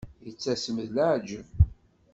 Yettasem d leɛǧeb.